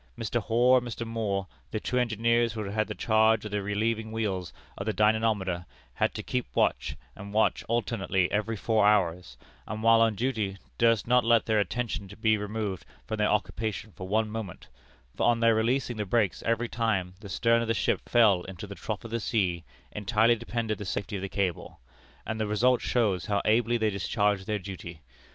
Mr. Hoar and Mr. Moore, the two engineers who had the charge of the relieving wheels of the dynamometer, had to keep watch and watch alternately every four hours, and while on duty durst not let their attention be removed from their occupation for one moment, for on their releasing the brakes every time the stern of the ship fell into the trough of the sea entirely depended the safety of the cable, and the result shows how ably they discharged their duty.